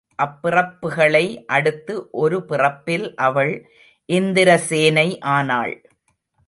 அப் பிறப்புகளை அடுத்து ஒருபிறப்பில் அவள் இந்திரசேனை ஆனாள்.